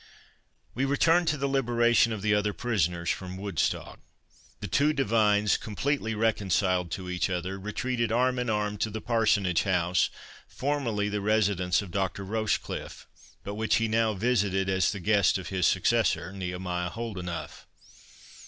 We return to the liberation of the other prisoners from Woodstock. The two divines, completely reconciled to each other, retreated arm in arm to the parsonage house, formerly the residence of Dr. Rochecliffe, but which he now visited as the guest of his successor, Nehemiah Holdenough.